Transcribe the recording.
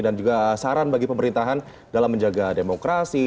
dan juga saran bagi pemerintahan dalam menjaga demokrasi